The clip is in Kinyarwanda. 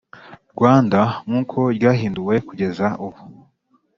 Rwanda nk uko ryahinduwe kugeza ubu